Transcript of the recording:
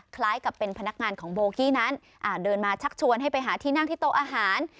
คล้ายกับเป็นพนักงานของโบกี้นั้นเดินมาชักชวนให้ไปหาที่นั่งที่โต๊ะอาหาร